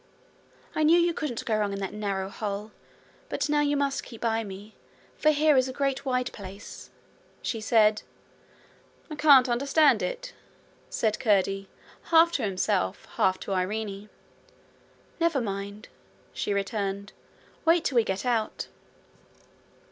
'I knew you couldn't go wrong in that narrow hole, but now you must keep by me, for here is a great wide place,' she said. 'I can't understand it,' said Curdie, half to himself, half to Irene. 'Never mind,' she returned. 'Wait till we get out.'